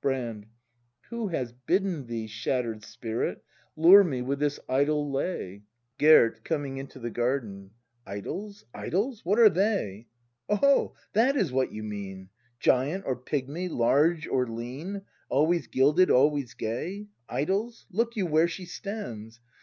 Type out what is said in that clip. Brand. Who has bidden thee, shatter'd spirit, Lure me with this idol lay ? Gerd. [Coming into the garden.] Idols, idols ? What are they ? Oho! That is what you mean: Giant or pigmy, large or lean. Always gilded, always gay. Idols! Look you where she stands!